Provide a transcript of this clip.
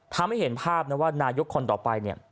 ทำให้เห็นภาพนะว่านายกคนต่อไปเนี่ย